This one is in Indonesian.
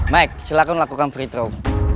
mic silahkan lakukan free throw